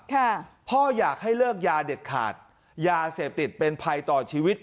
พ่ออยากให้เลิกยาเด็ดขาดยาเสพติดเป็นภัยต่อชีวิต